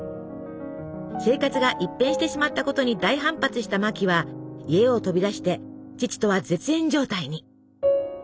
生活が一変してしまったことに大反発したマキは家を飛び出して父とは絶縁状態に。